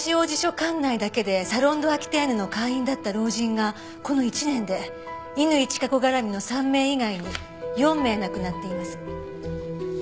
管内だけでサロン・ド・アキテーヌの会員だった老人がこの１年で乾チカ子絡みの３名以外に４名亡くなっています。